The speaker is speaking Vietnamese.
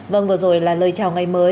vâng vừa rồi là lời chào ngày mưa